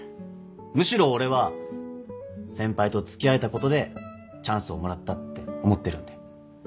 むしろ俺は先輩と付き合えたことでチャンスをもらったって思ってるんで。